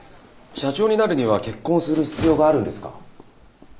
社長になるには結婚する必要があるんですか？